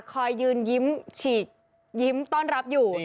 ยืนยิ้มฉีกยิ้มต้อนรับอยู่